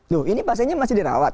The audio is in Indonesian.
loh ini pasiennya masih dirawat